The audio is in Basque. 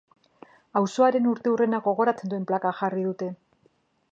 Auzoaren urteurrena gogoratzen duen plaka jarri dute.